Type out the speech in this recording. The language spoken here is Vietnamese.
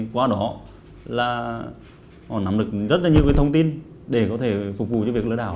qua đó họ nắm được rất nhiều thông tin để có thể phục vụ cho việc lừa đảo